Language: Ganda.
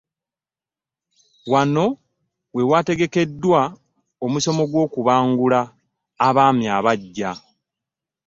Wano we waategekeddwa omusomo gw'okubangula abaami abaggya